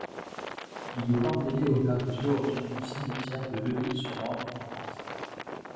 Il est enterré au carré géorgien du cimetière de Leuville-sur-Orge en France.